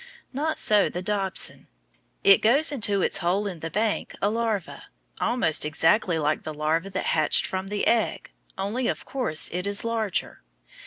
Not so the dobson. It goes into its hole in the bank a larva, almost exactly like the larva that hatched from the egg, only, of course, it is larger.